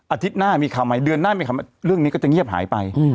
อาทิตย์หน้ามีข่าวใหม่เดือนหน้ามีคำเรื่องนี้ก็จะเงียบหายไป